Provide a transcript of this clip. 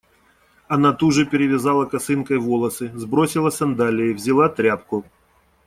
Она туже перевязала косынкой волосы. Сбросила сандалии. Взяла тряпку.